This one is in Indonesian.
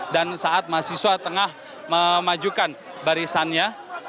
dan saat mahasiswa tengah memajukan barisannya